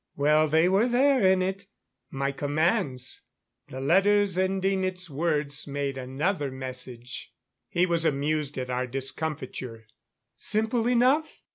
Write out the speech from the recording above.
Well, they were there in it my commands the letters ending its words made another message." He was amused at our discomfiture. "Simple enough?